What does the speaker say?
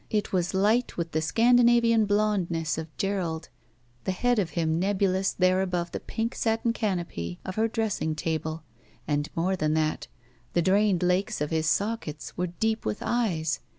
It was light with the Scandinavian blondness of Gerald, the head of him nebulous there above the pink satin canopy of her dressing table, and, more than that, the drained lakes of his sockets were deep with eyes.